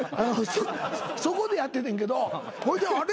そこでやっててんけどほいであれ？